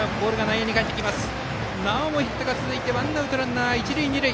なおもヒットが続きワンアウトランナー、一塁二塁。